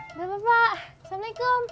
udah pak assalamu'alaikum